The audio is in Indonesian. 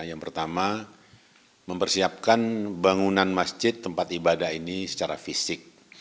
yang pertama mempersiapkan bangunan masjid tempat ibadah ini secara fisik